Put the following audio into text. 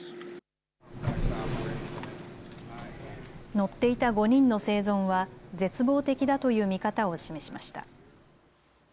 乗っていた５人の生存は絶望的だという見方を示しました。